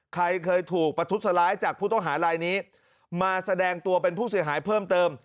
ใครเคยถูกประทุษร้ายจากผู้ต้องหาลายนี้มาแสดงตัวเป็นผู้เสียหายเพิ่มเติม